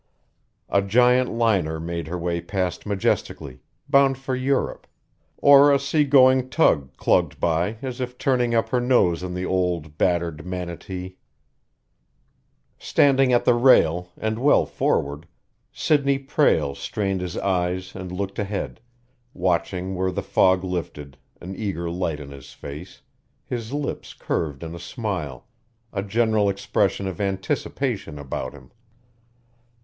A giant liner made her way past majestically, bound for Europe, or a seagoing tug clugged by as if turning up her nose at the old, battered Manatee. Standing at the rail, and well forward, Sidney Prale strained his eyes and looked ahead, watching where the fog lifted, an eager light in his face, his lips curved in a smile, a general expression of anticipation about him.